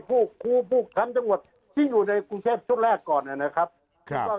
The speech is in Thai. ครูผู้ทำจังหวัดที่อยู่ในกรุงเทพช่วงแรกก่อนนะครับ